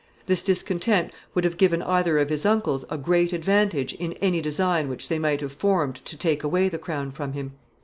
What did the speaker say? This discontent would have given either of his uncles a great advantage in any design which they might have formed to take away the crown from him.